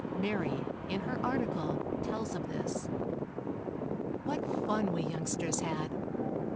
Mary, in her article, tells of this: What fun we youngsters had!